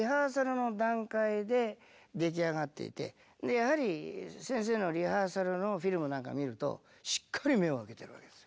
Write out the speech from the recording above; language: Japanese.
やはり先生のリハーサルのフィルムなんか見るとしっかり目を開けてるわけですよ。